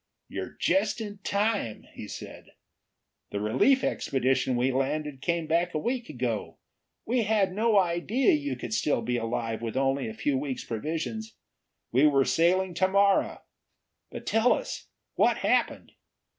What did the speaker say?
"You're just in time!" he said. "The relief expedition we landed came back a week ago. We had no idea you could still be alive, with only a week's provisions. We were sailing to morrow. But tell us! What happened?